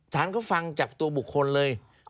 ฉันก็ฟังจากตัวบุคคลเลย